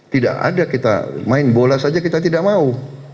tidak ada kita main bola saja kita tidak mau